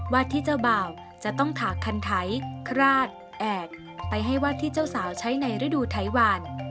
ที่เจ้าบ่าวจะต้องถาคันไถคราดแอกไปให้วัดที่เจ้าสาวใช้ในฤดูไถหวาน